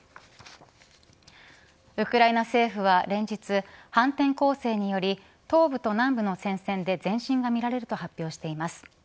ウクライナ政府は連日反転攻勢により東部と南部の戦線で前進がみられると発表しています。